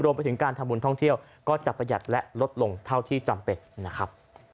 ไปถึงการทำบุญท่องเที่ยวก็จะประหยัดและลดลงเท่าที่จำเป็นนะครับ